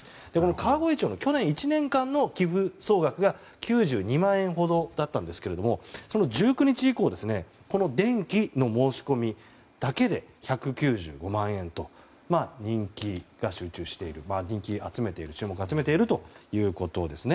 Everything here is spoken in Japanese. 川越町の去年１年間の寄付額が９２万円ほどだったんですがその１９日以降この電気の申し込みだけで１９５万円と注目を集めているということですね。